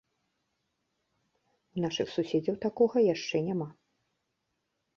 У нашых суседзяў такога яшчэ няма.